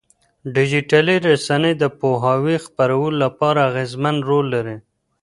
ډيجيټلي رسنۍ د پوهاوي خپرولو لپاره اغېزمن رول لري.